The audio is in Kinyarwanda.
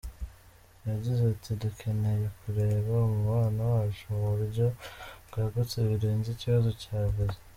Yagize ati “Dukeneye kureba umubano wacu mu buryo bwagutse birenze ikibazo cya Viza.